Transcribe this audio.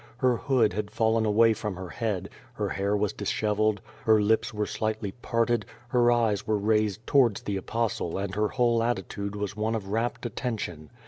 Her hood had fallen away from her head, her hair was dishevelled, her lips were slightly parted, her eyes were raised towards the Apostle and her whole attitude was one of rapt attention.